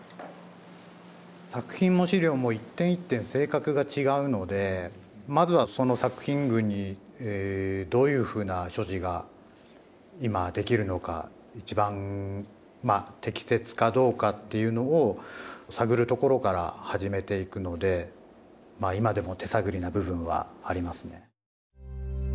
作品も資料も一点一点性格が違うのでまずはその作品群にどういうふうな処置が今できるのか一番適切かどうかっていうのを探るところから始めていくので今でも手探りな部分はありますね。